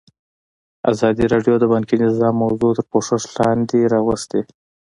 ازادي راډیو د بانکي نظام موضوع تر پوښښ لاندې راوستې.